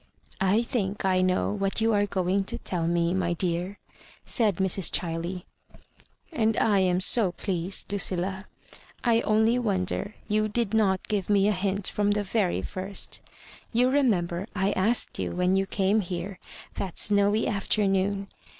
. "I think I know what you are going to tell me, my dear," said Mrs. Ohiley; "and I am so pleased, Lucilla. I only wonder you did not give me a hint from the very first You re member I asked you when you came here that snowy afternoon.